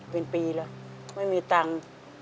เป็นปีแล้วไม่มีตังค์